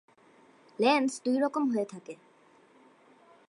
Lens দুই রকম হয়ে থাকে।